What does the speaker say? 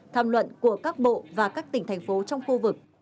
tham luận của các bộ và các tỉnh thành phố trong khu vực